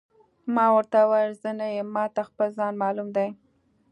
ما ورته وویل: زه نه یم، ما ته خپل ځان معلوم دی.